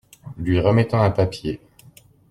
Lui remettant un papier.